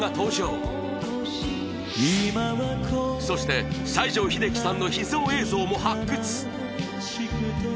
そして西城秀樹さんの秘蔵映像も発掘。